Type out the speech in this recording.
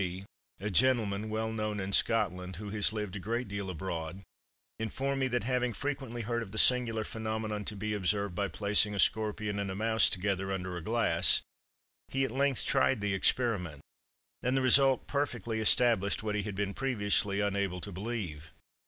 C——, a gentleman well known in Scotland, who has lived a great deal abroad, informed me, that having frequently heard of the singular phenomenon to be observed by placing a scorpion and a mouse together under a glass, he at length tried the experiment; and the result perfectly established what he had been previously unable to believe.